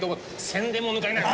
宣伝も抜かりない。